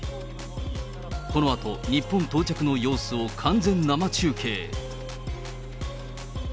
このあと、日本到着の様子を完全生中継。